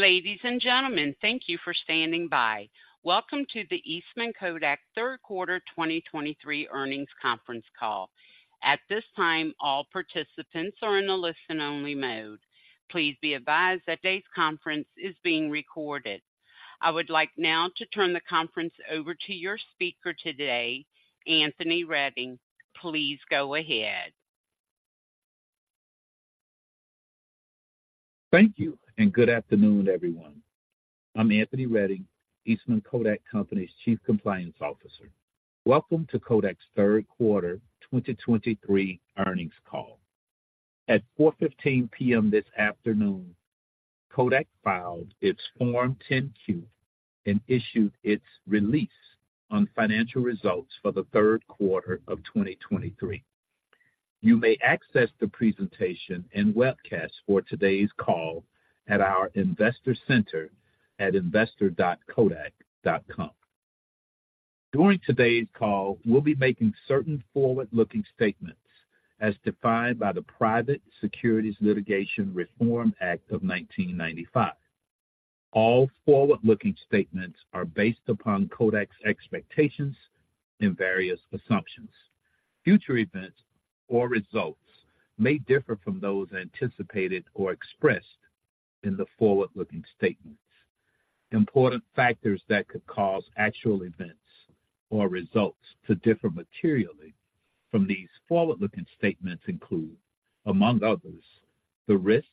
Ladies and gentlemen, thank you for standing by. Welcome to the Eastman Kodak Third Quarter 2023 Earnings Conference Call. At this time, all participants are in a listen-only mode. Please be advised that today's conference is being recorded. I would like now to turn the conference over to your speaker today, Anthony Redding. Please go ahead. Thank you, and good afternoon, everyone. I'm Anthony Redding, Eastman Kodak Company's Chief Compliance Officer. Welcome to Kodak's Third Quarter 2023 Earnings Call. At 4:15 P.M. this afternoon, Kodak filed its Form 10-Q and issued its release on financial results for the third quarter of 2023. You may access the presentation and webcast for today's call at our investor center at investor.kodak.com. During today's call, we'll be making certain forward-looking statements as defined by the Private Securities Litigation Reform Act of 1995. All forward-looking statements are based upon Kodak's expectations and various assumptions. Future events or results may differ from those anticipated or expressed in the forward-looking statements. Important factors that could cause actual events or results to differ materially from these forward-looking statements include, among others, the risk,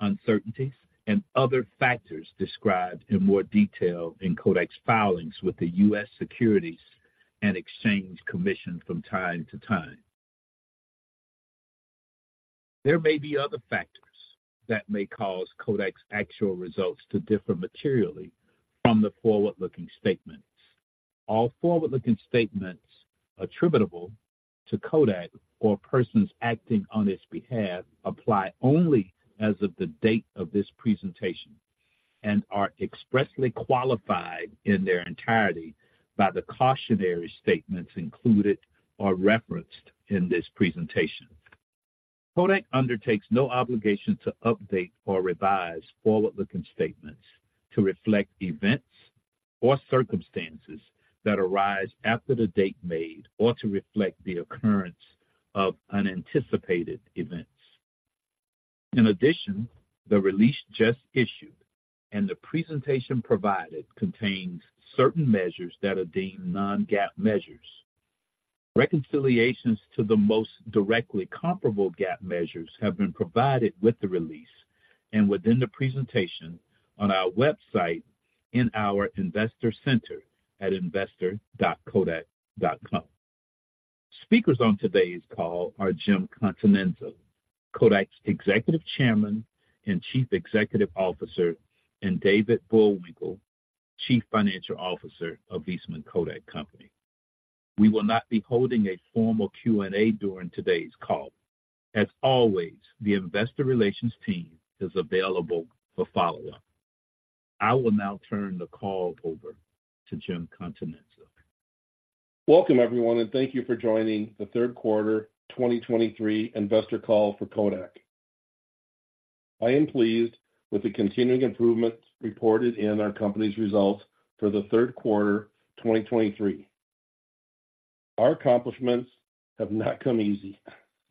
uncertainties, and other factors described in more detail in Kodak's filings with the U.S. Securities and Exchange Commission from time to time. There may be other factors that may cause Kodak's actual results to differ materially from the forward-looking statements. All forward-looking statements attributable to Kodak or persons acting on its behalf apply only as of the date of this presentation and are expressly qualified in their entirety by the cautionary statements included or referenced in this presentation. Kodak undertakes no obligation to update or revise forward-looking statements to reflect events or circumstances that arise after the date made or to reflect the occurrence of unanticipated events. In addition, the release just issued and the presentation provided contains certain measures that are deemed non-GAAP measures. Reconciliations to the most directly comparable GAAP measures have been provided with the release and within the presentation on our website in our investor center at investor.kodak.com. Speakers on today's call are Jim Continenza, Kodak's Executive Chairman and Chief Executive Officer, and David Bullwinkle, Chief Financial Officer of Eastman Kodak Company. We will not be holding a formal Q&A during today's call. As always, the investor relations team is available for follow-up. I will now turn the call over to Jim Continenza. Welcome, everyone, and thank you for joining the third quarter 2023 investor call for Kodak. I am pleased with the continuing improvements reported in our company's results for the third quarter 2023. Our accomplishments have not come easy.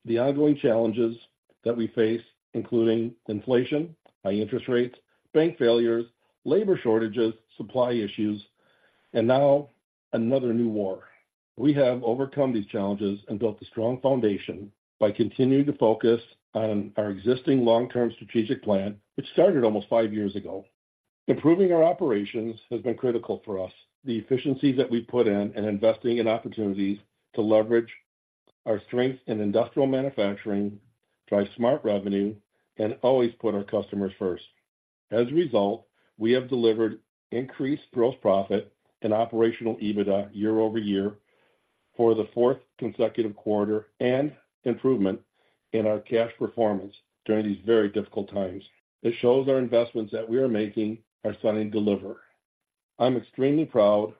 The ongoing challenges that we face, including inflation, high interest rates, bank failures, labor shortages, supply issues, and now another new war. We have overcome these challenges and built a strong foundation by continuing to focus on our existing long-term strategic plan, which started almost five years ago. Improving our operations has been critical for us. The efficiencies that we put in and investing in opportunities to leverage our strength in industrial manufacturing, drive smart revenue, and always put our customers first. As a result, we have delivered increased gross profit and Operational EBITDA year over year for the fourth consecutive quarter and improvement in our cash performance during these very difficult times. It shows our investments that we are making are starting to deliver. I'm extremely proud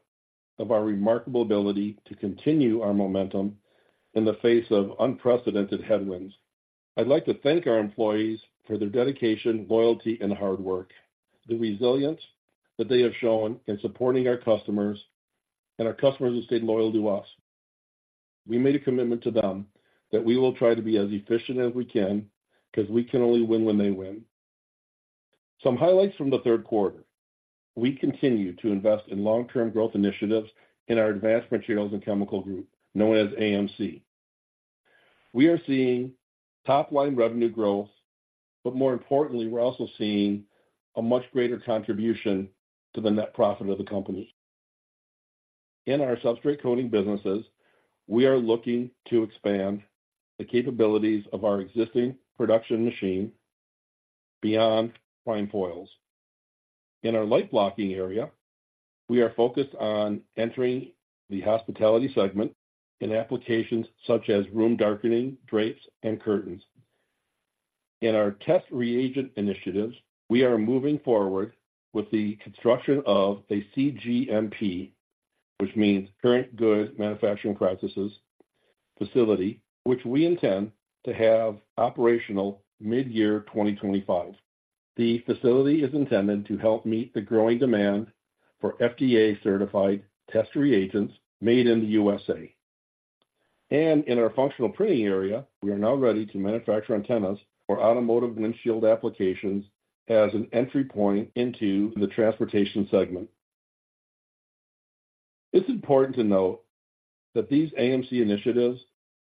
of our remarkable ability to continue our momentum in the face of unprecedented headwinds. I'd like to thank our employees for their dedication, loyalty, and hard work, the resilience that they have shown in supporting our customers and our customers who stayed loyal to us. We made a commitment to them that we will try to be as efficient as we can because we can only win when they win. Some highlights from the third quarter. We continue to invest in long-term growth initiatives in ourAdvanced Materials and Chemicals group, known as AMC. We are seeing top-line revenue growth, but more importantly, we're also seeing a much greater contribution to the net profit of the company. In our substrate coating businesses, we are looking to expand the capabilities of our existing production machine beyond prime foils. In our light blocking area, we are focused on entering the hospitality segment in applications such as room darkening, drapes, and curtains. In our test reagent initiatives, we are moving forward with the construction of a cGMP, which means current Good Manufacturing Practices, facility, which we intend to have operational mid-year 2025. The facility is intended to help meet the growing demand for FDA-certified test reagents made in the USA. And in our functional printing area, we are now ready to manufacture antennas for automotive windshield applications as an entry point into the transportation segment. It's important to note that these AMC initiatives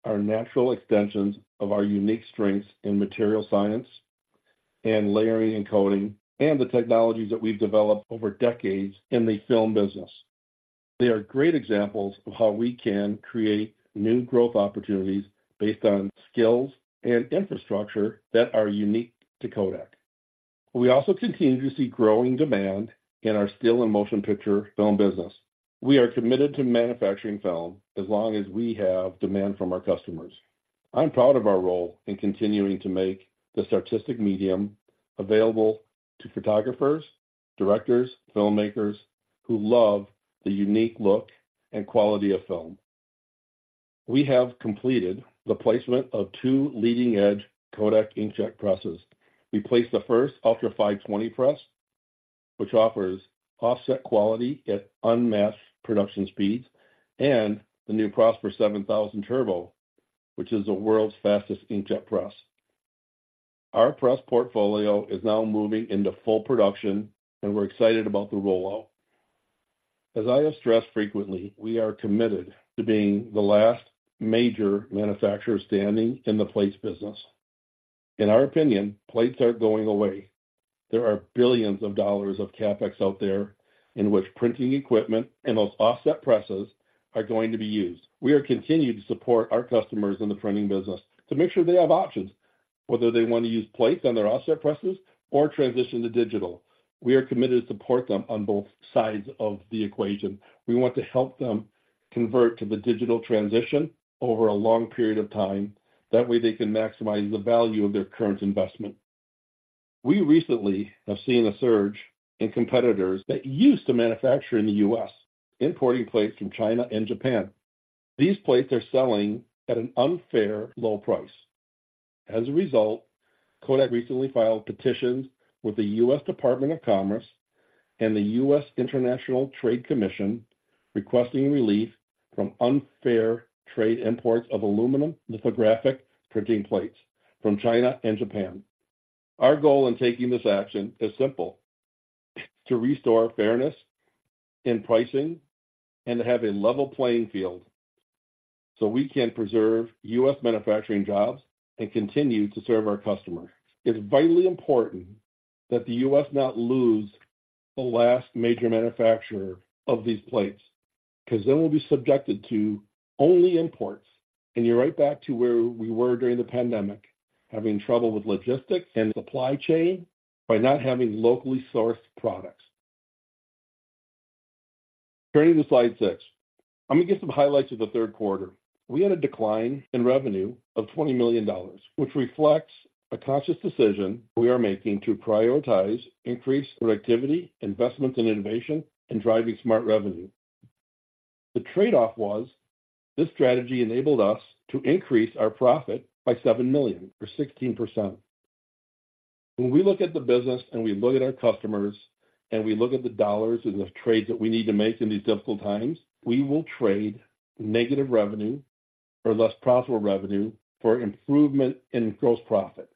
are natural extensions of our unique strengths in material science and layering and coating, and the technologies that we've developed over decades in the film business. They are great examples of how we can create new growth opportunities based on skills and infrastructure that are unique to Kodak. We also continue to see growing demand in our still and motion picture film business. We are committed to manufacturing film as long as we have demand from our customers. I'm proud of our role in continuing to make this artistic medium available to photographers, directors, filmmakers, who love the unique look and quality of film. We have completed the placement of two leading-edge Kodak inkjet presses. We placed the first ULTRA 520 press, which offers offset quality at unmatched production speeds, and the new PROSPER 7000 Turbo, which is the world's fastest inkjet press. Our press portfolio is now moving into full production, and we're excited about the rollout. As I have stressed frequently, we are committed to being the last major manufacturer standing in the plates business. In our opinion, plates aren't going away. There are billions of dollars of CapEx out there in which printing equipment and those offset presses are going to be used. We are continuing to support our customers in the printing business to make sure they have options, whether they want to use plates on their offset presses or transition to digital. We are committed to support them on both sides of the equation. We want to help them convert to the digital transition over a long period of time. That way, they can maximize the value of their current investment. We recently have seen a surge in competitors that used to manufacture in the U.S., importing plates from China and Japan. These plates are selling at an unfair low price. As a result, Kodak recently filed petitions with the U.S. Department of Commerce and the U.S. International Trade Commission, requesting relief from unfair trade imports of aluminum lithographic printing plates from China and Japan. Our goal in taking this action is simple: to restore fairness in pricing and to have a level playing field, so we can preserve U.S. manufacturing jobs and continue to serve our customers. It's vitally important that the U.S. not lose the last major manufacturer of these plates, 'cause then we'll be subjected to only imports, and you're right back to where we were during the pandemic, having trouble with logistics and supply chain by not having locally sourced products. Turning to slide six. Let me give some highlights of the third quarter. We had a decline in revenue of $20 million, which reflects a conscious decision we are making to prioritize increased productivity, investment in innovation, and driving smart revenue. The trade-off was, this strategy enabled us to increase our profit by $7 million or 16%. When we look at the business, and we look at our customers, and we look at the dollars and the trades that we need to make in these difficult times, we will trade negative revenue or less profitable revenue for improvement in gross profit.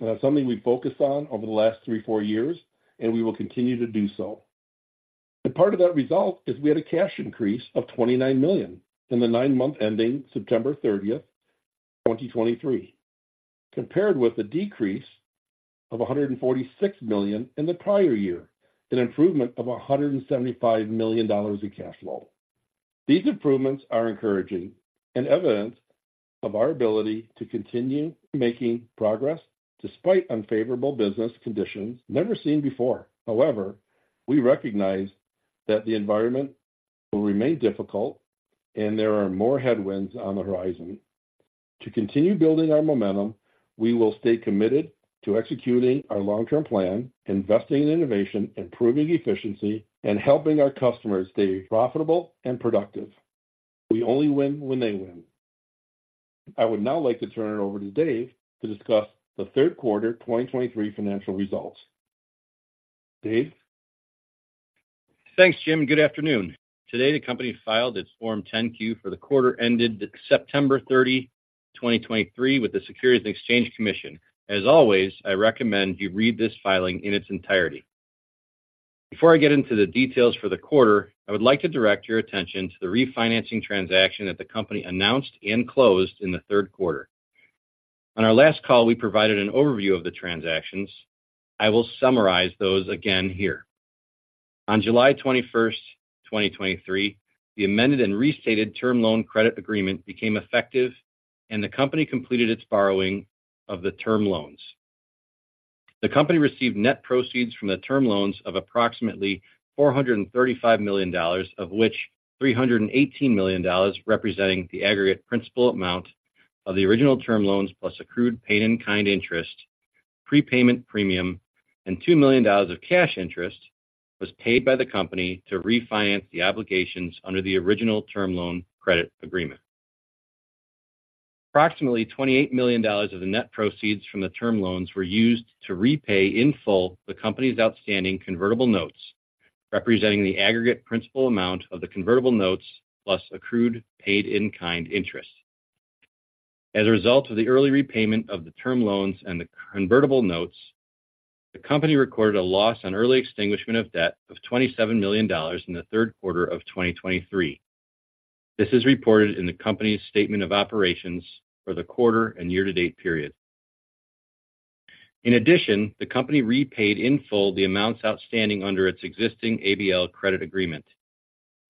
That's something we've focused on over the last three, four years, and we will continue to do so. Part of that result is we had a cash increase of $29 million in the nine months ending September 30, 2023, compared with a decrease of $146 million in the prior year, an improvement of $175 million in cash flow. These improvements are encouraging and evidence of our ability to continue making progress despite unfavorable business conditions never seen before. However, we recognize that the environment will remain difficult, and there are more headwinds on the horizon. To continue building our momentum, we will stay committed to executing our long-term plan, investing in innovation, improving efficiency, and helping our customers stay profitable and productive. We only win when they win. I would now like to turn it over to Dave to discuss the third quarter 2023 financial results. Dave? Thanks, Jim, good afternoon. Today, the company filed its Form 10-Q for the quarter ended September 30, 2023, with the Securities and Exchange Commission. As always, I recommend you read this filing in its entirety. Before I get into the details for the quarter, I would like to direct your attention to the refinancing transaction that the company announced and closed in the third quarter. On our last call, we provided an overview of the transactions. I will summarize those again here. On July 21, 2023, the amended and restated Term Loan Credit Agreement became effective, and the company completed its borrowing of the term loans. The company received net proceeds from the term loans of approximately $435 million, of which $318 million, representing the aggregate principal amount of the original term loans plus accrued paid-in-kind interest-... prepayment premium, and $2 million of cash interest was paid by the company to refinance the obligations under the Original Term Loan Credit Agreement. Approximately $28 million of the net proceeds from the term loans were used to repay in full the company's outstanding Convertible Notes, representing the aggregate principal amount of the Convertible Notes, plus accrued paid-in-kind interest. As a result of the early repayment of the term loans and the Convertible Notes, the company recorded a loss on early extinguishment of debt of $27 million in the third quarter of 2023. This is reported in the company's statement of operations for the quarter and year-to-date period. In addition, the company repaid in full the amounts outstanding under its existing ABL Credit Agreement,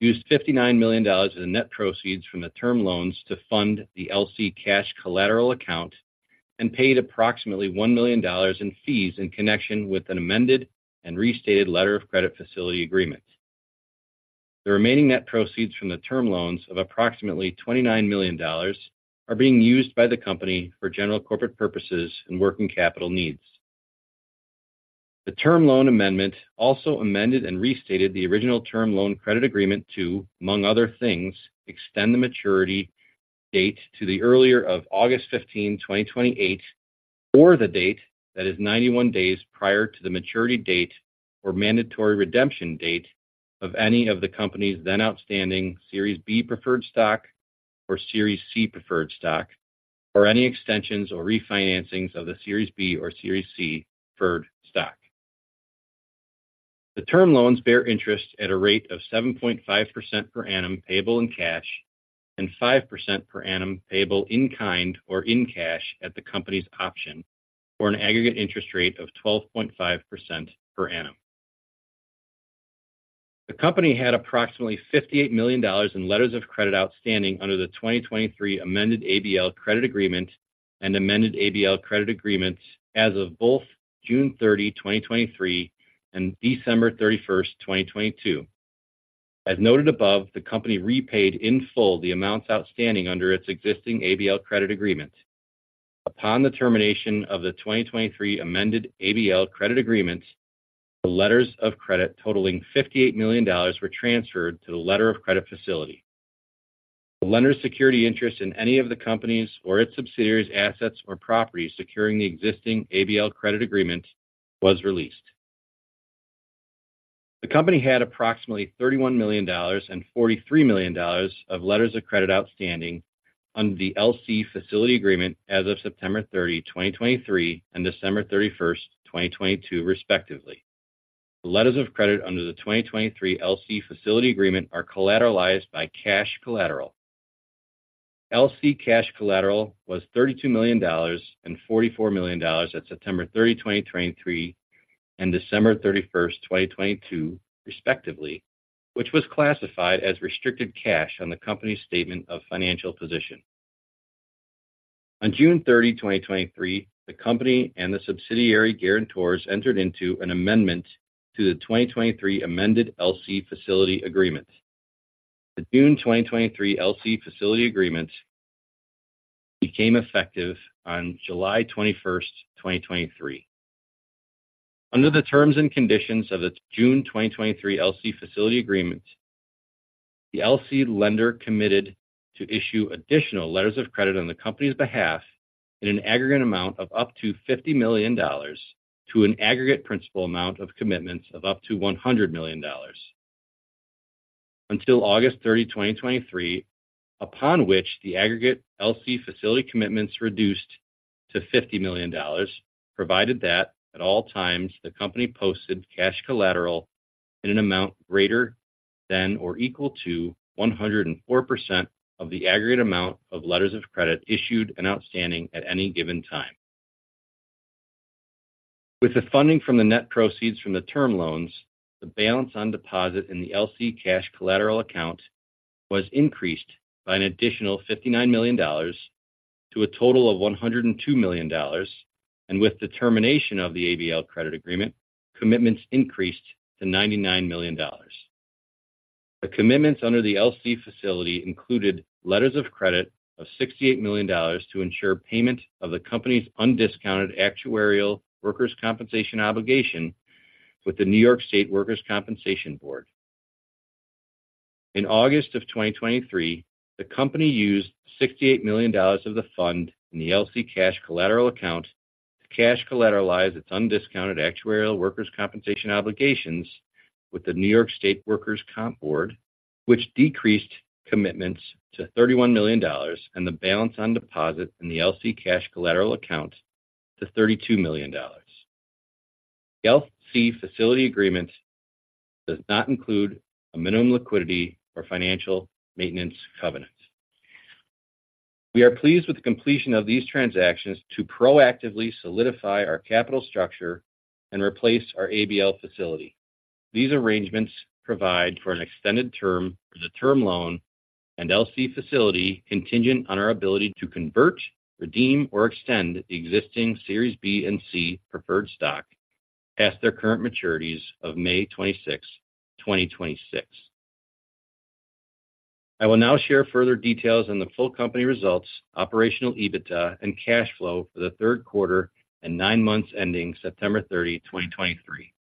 used $59 million as the net proceeds from the term loans to fund the LC cash collateral account, and paid approximately $1 million in fees in connection with an amended and restated Letter of Credit Facility Agreement. The remaining net proceeds from the term loans of approximately $29 million are being used by the company for general corporate purposes and working capital needs. The term loan amendment also amended and restated the Original Term Loan Credit Agreement to, among other things, extend the maturity date to the earlier of August 15, 2028, or the date that is 91 days prior to the maturity date or mandatory redemption date of any of the company's then outstanding Series B Preferred Stock or Series C Preferred Stock, or any extensions or refinancings of the Series B Preferred Stock or Series C Preferred Stock. The term loans bear interest at a rate of 7.5% per annum, payable in cash, and 5% per annum, payable in kind or in cash at the company's option, for an aggregate interest rate of 12.5% per annum. The company had approximately $58 million in letters of credit outstanding under the 2023 Amended ABL Credit Agreement and Amended ABL Credit Agreements as of both June 30, 2023, and December 31, 2022. As noted above, the company repaid in full the amounts outstanding under its existing ABL Credit Agreement. Upon the termination of the 2023 Amended ABL Credit Agreement, the letters of credit totaling $58 million were transferred to the letter of credit facility. The lender's security interest in any of the company's or its subsidiaries' assets or properties securing the existing ABL Credit Agreement was released. The company had approximately $31 million and $43 million of letters of credit outstanding under the LC Facility Agreement as of September 30, 2023, and December 31, 2022, respectively. The letters of credit under the 2023 LC Facility Agreement are collateralized by cash collateral. LC cash collateral was $32 million and $44 million at September 30, 2023, and December 31, 2022, respectively, which was classified as restricted cash on the company's statement of financial position. On June 30, 2023, the company and the subsidiary guarantors entered into an Amendment to the 2023 Amended LC Facility Agreement. The June 2023 LC Facility Agreement became effective on July 21, 2023. Under the terms and conditions of the June 2023 LC Facility Agreement, the LC lender committed to issue additional letters of credit on the company's behalf in an aggregate amount of up to $50 million to an aggregate principal amount of commitments of up to $100 million. Until August 30, 2023, upon which the aggregate LC facility commitments reduced to $50 million, provided that at all times, the company posted cash collateral in an amount greater than or equal to 104% of the aggregate amount of letters of credit issued and outstanding at any given time. With the funding from the net proceeds from the term loans, the balance on deposit in the LC cash collateral account was increased by an additional $59 million to a total of $102 million, and with the termination of the ABL Credit Agreement, commitments increased to $99 million. The commitments under the LC facility included letters of credit of $68 million to ensure payment of the company's undiscounted actuarial workers' compensation obligation with the New York State Workers' Compensation Board. In August 2023, the company used $68 million of the fund in the LC cash collateral account to cash collateralize its undiscounted actuarial workers' compensation obligations with the New York State Workers' Compensation Board, which decreased commitments to $31 million, and the balance on deposit in the LC cash collateral account to $32 million. The LC Facility Agreement does not include a minimum liquidity or financial maintenance covenant. We are pleased with the completion of these transactions to proactively solidify our capital structure and replace our ABL facility. These arrangements provide for an extended term for the term loan and LC facility, contingent on our ability to convert, redeem, or extend the existing Series B and C Preferred Stock past their current maturities of May 26, 2026. I will now share further details on the full company results, Operational EBITDA, and cash flow for the third quarter and nine months ending September 30, 2023.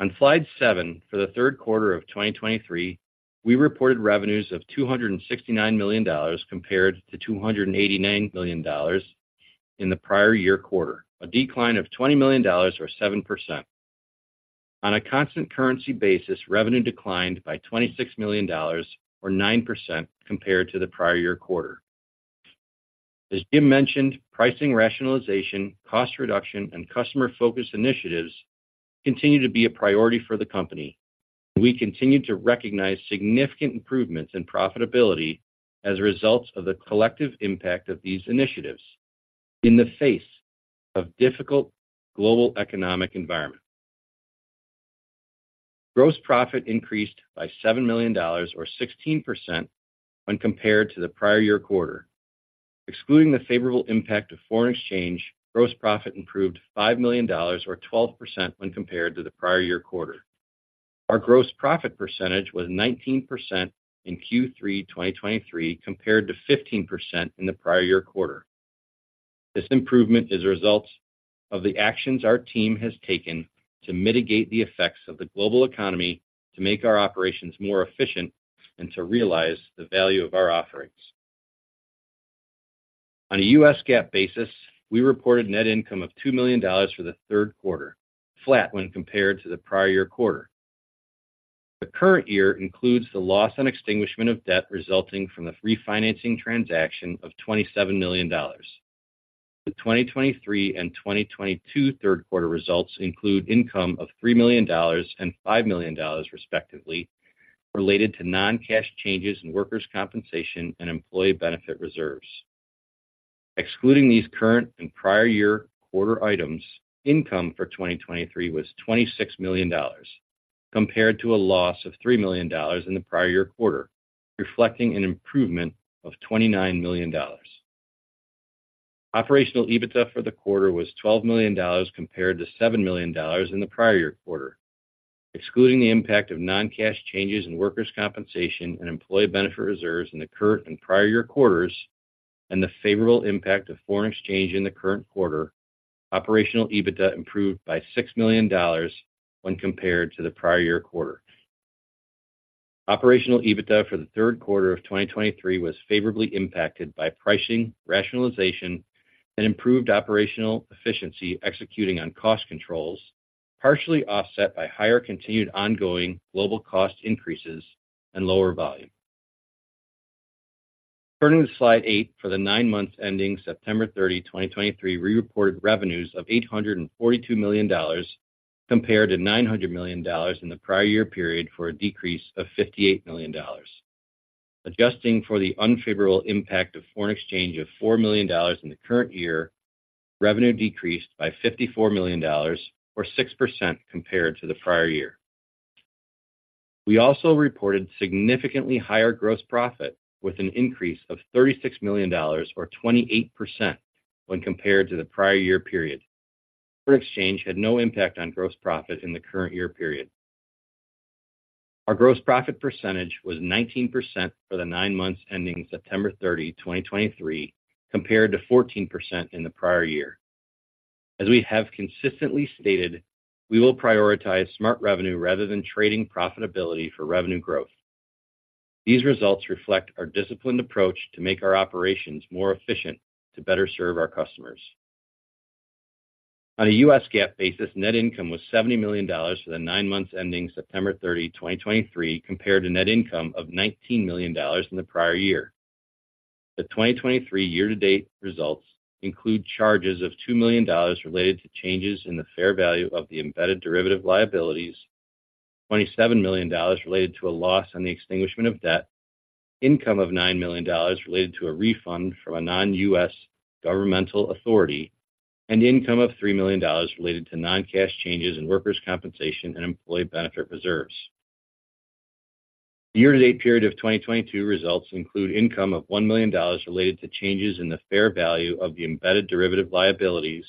On slide seven, for the third quarter of 2023, we reported revenues of $269 million compared to $289 million in the prior year quarter, a decline of $20 million or 7%. On a constant currency basis, revenue declined by $26 million or 9% compared to the prior year quarter. As Jim mentioned, pricing rationalization, cost reduction, and customer-focused initiatives continue to be a priority for the company. We continue to recognize significant improvements in profitability as a result of the collective impact of these initiatives in the face of difficult global economic environment. Gross profit increased by $7 million or 16% when compared to the prior year quarter. Excluding the favorable impact of foreign exchange, gross profit improved $5 million or 12% when compared to the prior year quarter. Our gross profit percentage was 19% in Q3 2023, compared to 15% in the prior year quarter. This improvement is a result of the actions our team has taken to mitigate the effects of the global economy, to make our operations more efficient, and to realize the value of our offerings. On a U.S. GAAP basis, we reported net income of $2 million for the third quarter, flat when compared to the prior year quarter. The current year includes the loss on extinguishment of debt resulting from the refinancing transaction of $27 million. The 2023 and 2022 third quarter results include income of $3 million and $5 million, respectively, related to non-cash changes in workers' compensation and employee benefit reserves. Excluding these current and prior year quarter items, income for 2023 was $26 million, compared to a loss of $3 million in the prior year quarter, reflecting an improvement of $29 million. Operational EBITDA for the quarter was $12 million, compared to $7 million in the prior year quarter. Excluding the impact of non-cash changes in workers' compensation and employee benefit reserves in the current and prior year quarters, and the favorable impact of foreign exchange in the current quarter, operational EBITDA improved by $6 million when compared to the prior year quarter. Operational EBITDA for the third quarter of 2023 was favorably impacted by pricing, rationalization, and improved operational efficiency, executing on cost controls, partially offset by higher continued ongoing global cost increases and lower volume. Turning to slide eight, for the nine months ending September 30, 2023, we reported revenues of $842 million compared to $900 million in the prior year period, for a decrease of $58 million. Adjusting for the unfavorable impact of foreign exchange of $4 million in the current year, revenue decreased by $54 million or 6% compared to the prior year. We also reported significantly higher gross profit, with an increase of $36 million or 28% when compared to the prior year period. Foreign exchange had no impact on gross profit in the current year period. Our gross profit percentage was 19% for the nine months ending September 30, 2023, compared to 14% in the prior year. As we have consistently stated, we will prioritize smart revenue rather than trading profitability for revenue growth. These results reflect our disciplined approach to make our operations more efficient to better serve our customers. On a U.S. GAAP basis, net income was $70 million for the nine months ending September 30, 2023, compared to net income of $19 million in the prior year. The 2023 year-to-date results include charges of $2 million related to changes in the fair value of the embedded derivative liabilities, $27 million related to a loss on the extinguishment of debt, income of $9 million related to a refund from a non-US governmental authority, and income of $3 million related to non-cash changes in workers' compensation and employee benefit reserves. The year-to-date period of 2022 results include income of $1 million related to changes in the fair value of the embedded derivative liabilities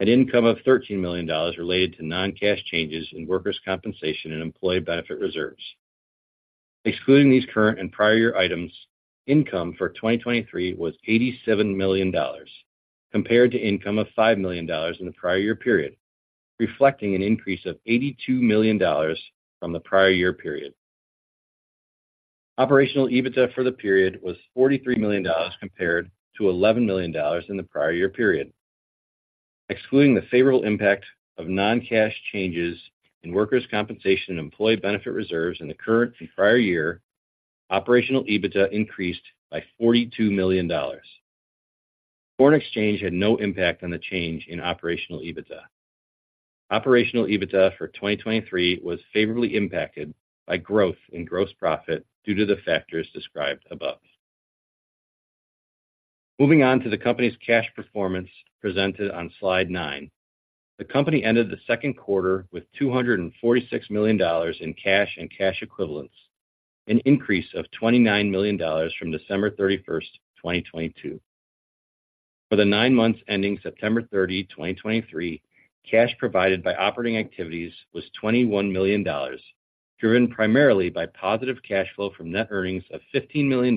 and income of $13 million related to non-cash changes in workers' compensation and employee benefit reserves. Excluding these current and prior year items, income for 2023 was $87 million, compared to income of $5 million in the prior year period, reflecting an increase of $82 million from the prior year period. Operational EBITDA for the period was $43 million, compared to $11 million in the prior year period. Excluding the favorable impact of non-cash changes in workers' compensation and employee benefit reserves in the current and prior year, Operational EBITDA increased by $42 million. Foreign exchange had no impact on the change in Operational EBITDA. Operational EBITDA for 2023 was favorably impacted by growth in gross profit due to the factors described above. Moving on to the company's cash performance presented on slide nine. The company ended the second quarter with $246 million in cash and cash equivalents, an increase of $29 million from December 31, 2022. For the nine months ending September 30, 2023, cash provided by operating activities was $21 million, driven primarily by positive cash flow from net earnings of $15 million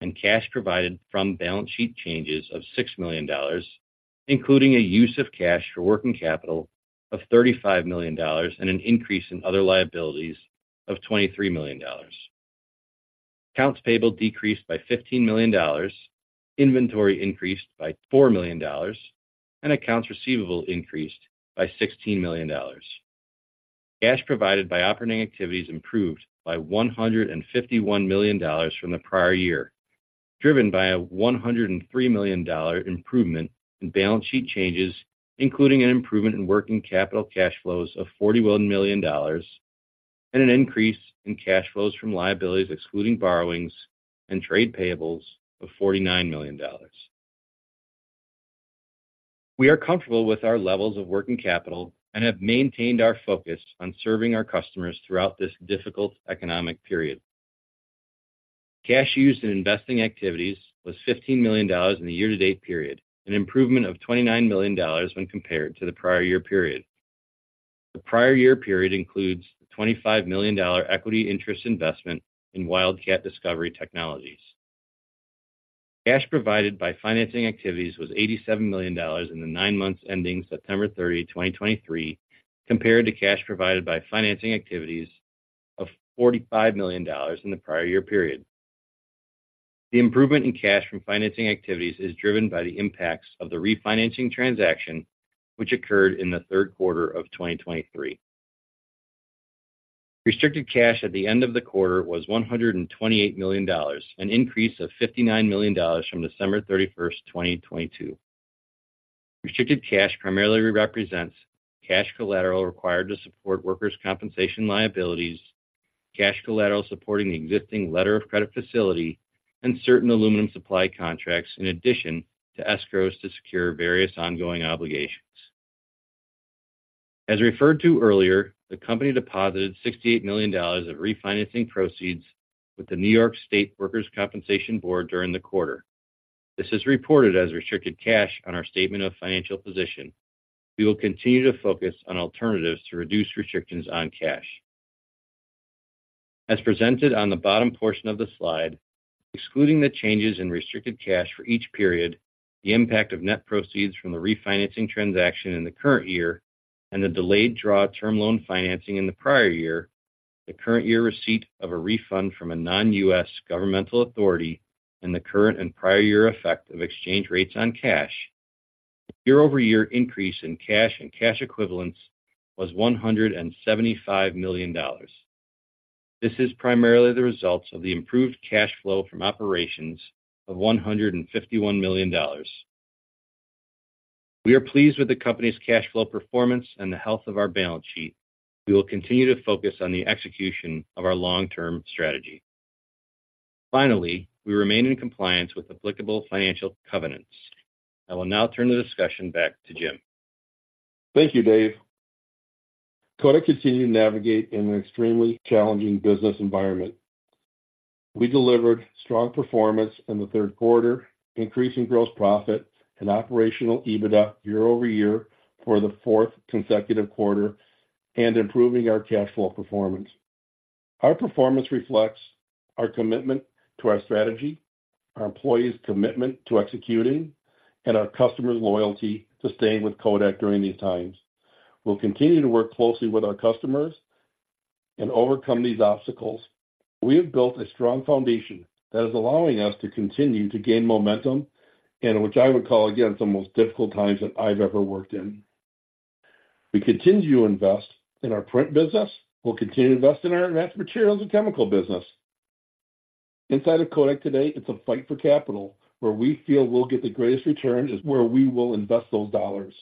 and cash provided from balance sheet changes of $6 million, including a use of cash for working capital of $35 million and an increase in other liabilities of $23 million. Accounts payable decreased by $15 million, inventory increased by $4 million, and accounts receivable increased by $16 million. Cash provided by operating activities improved by $151 million from the prior year, driven by a $103 million improvement in balance sheet changes, including an improvement in working capital cash flows of $41 million and an increase in cash flows from liabilities, excluding borrowings and trade payables of $49 million. We are comfortable with our levels of working capital and have maintained our focus on serving our customers throughout this difficult economic period. Cash used in investing activities was $15 million in the year-to-date period, an improvement of $29 million when compared to the prior year period. The prior year period includes a $25 million equity interest investment in Wildcat Discovery Technologies. Cash provided by financing activities was $87 million in the nine months ending September 30, 2023, compared to cash provided by financing activities of $45 million in the prior year period. The improvement in cash from financing activities is driven by the impacts of the refinancing transaction, which occurred in the third quarter of 2023. Restricted cash at the end of the quarter was $128 million, an increase of $59 million from December 31, 2022. Restricted cash primarily represents cash collateral required to support workers' compensation liabilities, cash collateral supporting the existing letter of credit facility, and certain aluminum supply contracts, in addition to escrows to secure various ongoing obligations. As referred to earlier, the company deposited $68 million of refinancing proceeds with the New York State Workers' Compensation Board during the quarter. This is reported as restricted cash on our statement of financial position. We will continue to focus on alternatives to reduce restrictions on cash. As presented on the bottom portion of the slide, excluding the changes in restricted cash for each period, the impact of net proceeds from the refinancing transaction in the current year and the delayed draw term loan financing in the prior year, the current year receipt of a refund from a non-U.S. governmental authority, and the current and prior year effect of exchange rates on cash, the year-over-year increase in cash and cash equivalents was $175 million. This is primarily the results of the improved cash flow from operations of $151 million. We are pleased with the company's cash flow performance and the health of our balance sheet. We will continue to focus on the execution of our long-term strategy. Finally, we remain in compliance with applicable financial covenants. I will now turn the discussion back to Jim. Thank you, Dave. Kodak continued to navigate in an extremely challenging business environment. We delivered strong performance in the third quarter, increasing gross profit and Operational EBITDA year-over-year for the fourth consecutive quarter and improving our cash flow performance. Our performance reflects our commitment to our strategy, our employees' commitment to executing, and our customers' loyalty to staying with Kodak during these times. We'll continue to work closely with our customers and overcome these obstacles. We have built a strong foundation that is allowing us to continue to gain momentum, and which I would call, again, the most difficult times that I've ever worked in. We continue to invest in our print business. We'll continue to invest in our advanced materials and chemical business. Inside of Kodak today, it's a fight for capital, where we feel we'll get the greatest return is where we will invest those dollars.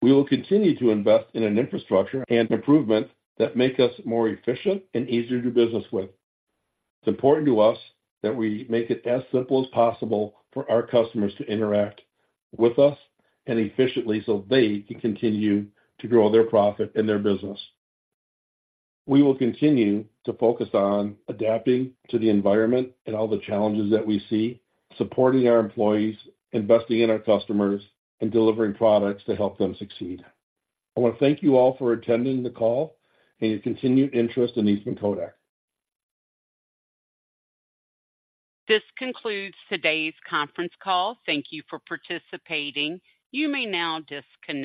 We will continue to invest in an infrastructure and improvement that make us more efficient and easier to do business with. It's important to us that we make it as simple as possible for our customers to interact with us and efficiently, so they can continue to grow their profit and their business. We will continue to focus on adapting to the environment and all the challenges that we see, supporting our employees, investing in our customers, and delivering products to help them succeed. I want to thank you all for attending the call and your continued interest in Eastman Kodak. This concludes today's conference call. Thank you for participating. You may now disconnect.